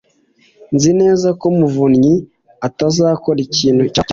Nzi neza ko Muvunnyi atazakora ikintu cyasaze